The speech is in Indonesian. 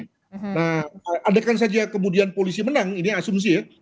nah andaikan saja kemudian polisi menang ini asumsi ya